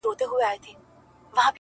پۀ ماسومتوب كې بۀ چي خپلې مور هغه وهله,